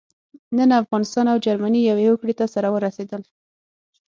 نن افغانستان او جرمني يوې هوکړې ته سره ورسېدل.